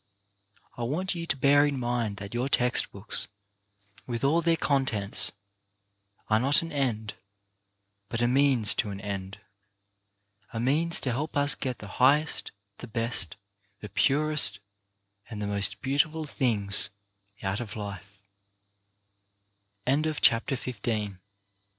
I want you to bear in mind that your text books, with all their contents, are not an end, but a means to an end, a means to help us get the highest, the best, the purest and the most beauti ful things out of life.